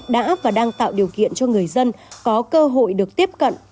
đã và đang tạo điều kiện cho người dân có cơ hội được tiếp cận